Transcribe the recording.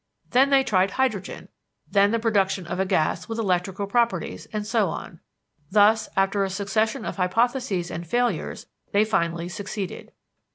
Then they tried hydrogen; then the production of a gas with electrical properties; and so on. Thus, after a succession of hypotheses and failures, they finally succeeded.